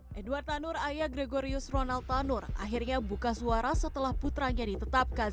hai edward tanur ayah gregorius ronald tanur akhirnya buka suara setelah putranya ditetapkan